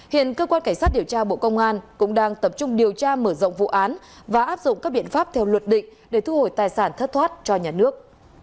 hiện cơ quan cảnh sát điều tra bộ công an cũng đang tập trung điều tra mở rộng vụ án và áp dụng các biện pháp theo luật định để thu hồi tài sản thất thoát cho nhà nước